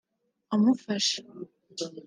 amufasha